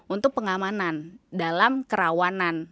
untuk pengamanan dalam kerawanan